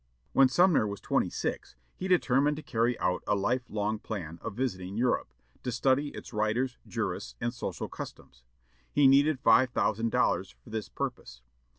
When Sumner was twenty six, he determined to carry out a life long plan of visiting Europe, to study its writers, jurists, and social customs. He needed five thousand dollars for this purpose.